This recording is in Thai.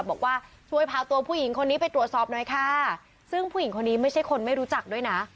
บอกว่าช่วยพาตัวผู้หญิงคนนี้ไปตรวจสอบหน่อยค่ะซึ่งผู้หญิงคนนี้ไม่ใช่คนไม่รู้จักด้วยนะ